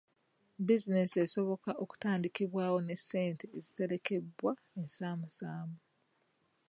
Bizinensi esoboka okutandikibwawo n'essente eziterekebwa ensaamusaamu.